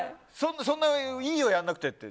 そんな、いいよやらなくてって。